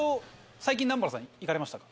最近南原さん行かれましたか？